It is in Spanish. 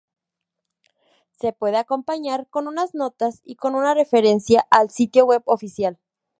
Se puede acompañar con unas notas y con una referencia al sitio web oficial.